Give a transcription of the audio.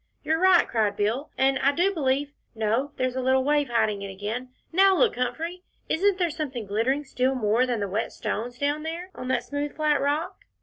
"You're right," cried Bill, "and I do believe no, there's a little wave hiding it again now, look, Humphrey isn't there something glittering still more than the wet stones, down there on that smooth flat rock?"